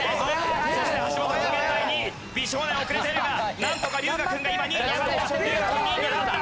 美少年遅れているがなんとか龍我君が今２位に上がった。